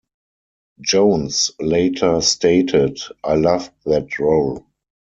Jones later stated, I loved that role.